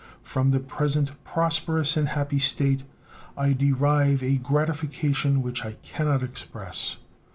From the present prosperous and happy state I derive a gratification which I can not express.